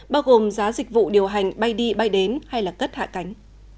bao gồm giá dịch vụ điều hành bay đi bay đến hay là cất hạ cánh